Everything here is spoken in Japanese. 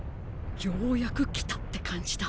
ようやく来たって感じだ